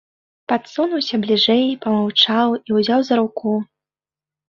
Падсунуўся бліжэй, памаўчаў і ўзяў за руку.